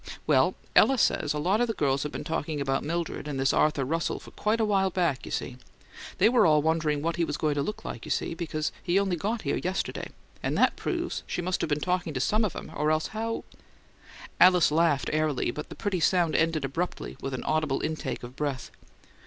Well, Ella says a lot of the girls have been talking about Mildred and this Arthur Russell for quite a while back, you see. They were all wondering what he was going to look like, you see; because he only got here yesterday; and that proves she must have been talking to some of 'em, or else how " Alice laughed airily, but the pretty sound ended abruptly with an audible intake of breath.